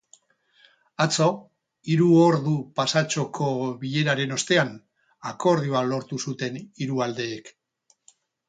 Atzo, hiru ordu pasatxoko bileraren ostean, akordioa lortu zuten hiru aldeek.